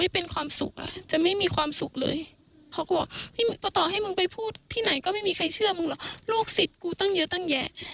พอต่อให้มึงไปพูดที่ไหนก็ไม่มีใครเชื่อมึงหรอกลูกศิษย์กูตั้งเยอะตั้งแยะ